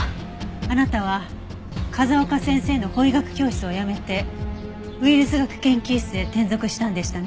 あなたは風丘先生の法医学教室を辞めてウイルス学研究室へ転属したんでしたね？